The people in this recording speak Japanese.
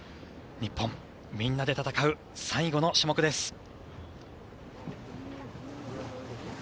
日本、みんなで戦う最後の種目です。